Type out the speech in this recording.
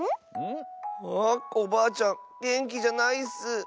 あコバアちゃんげんきじゃないッス。